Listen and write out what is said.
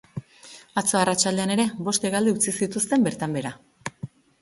Atzo arratsaldean ere bost hegaldi utzi zituzten bertan behera.